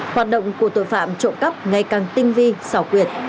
hoạt động của tội phạm trộm cắp ngày càng tinh vi xảo quyệt